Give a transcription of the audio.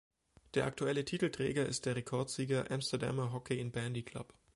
Der aktuelle Titelträger ist der Rekordsieger Amsterdamer Hockey&Bandy Club.